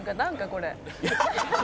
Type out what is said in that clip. これ」「」